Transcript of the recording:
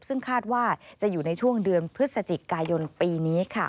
ซึ่งคาดว่าจะอยู่ในช่วงเดือนพฤศจิกายนปีนี้ค่ะ